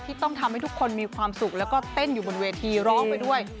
ต้องทำให้ทุกคนมีความสุขแล้วก็เต้นอยู่บนเวทีร้องไปด้วย